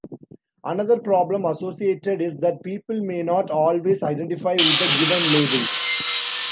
Another problem associated is that people may not always identify with the given labels.